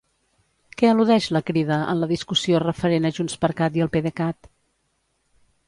Què eludeix la Crida en la discussió referent a JxCat i el PDECat?